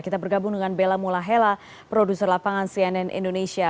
kita bergabung dengan bella mulahela produser lapangan cnn indonesia